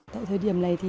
thời điểm này